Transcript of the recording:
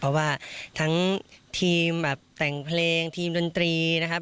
เพราะว่าทั้งทีมแบบแต่งเพลงทีมดนตรีนะครับ